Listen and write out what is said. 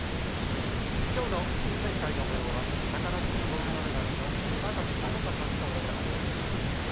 今日の抽せん会のもようは宝くじ幸運の女神の嶋崎百萌香さんとお伝えします。